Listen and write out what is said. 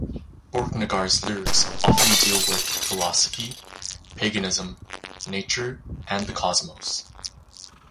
Borknagar's lyrics often deal with philosophy, paganism, nature, and the cosmos.